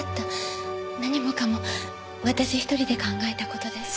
何もかも私一人で考えた事です。